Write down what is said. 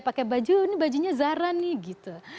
pakai baju ini bajunya zara nih gitu